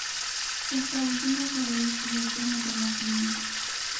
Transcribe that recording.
Esta última se había descubierto en el Renacimiento.